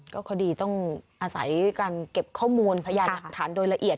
ก็คดีต้องอาศัยการเก็บข้อมูลพยานหลักฐานโดยละเอียด